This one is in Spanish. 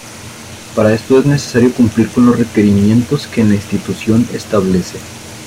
Para esto es necesario cumplir con los requerimientos que la institución establece.